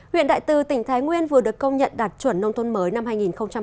huyện đại tư tỉnh thái nguyên vừa được công nhận đạt chuẩn nông thôn mới năm hai nghìn hai mươi ba